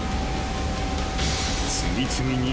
［次々に］